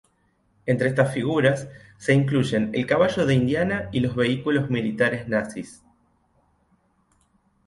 Entre estas figuras se incluyen el caballo de Indiana y los vehículos militares nazis.